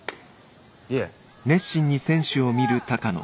いえ。